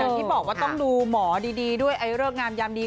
อย่างที่บอกว่าต้องดูหมอดีด้วยไอเริกงามยามดี